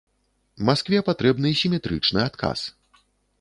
Маскве патрэбны сіметрычны адказ.